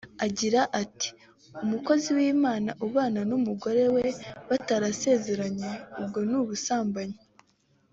agira ati «Umukozi w’Imana ubana n’umugore we batarasezeranye ubwo ni ubusambanyi